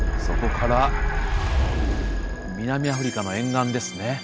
そこから南アフリカの沿岸ですね。